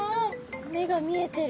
目が見えてる。